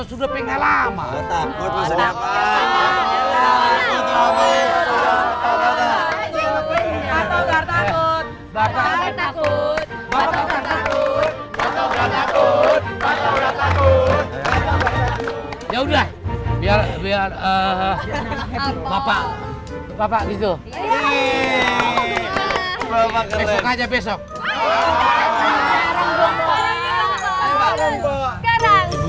udah malu banget sih